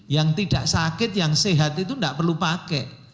yang tidak sakit yang sehat itu tidak perlu pakai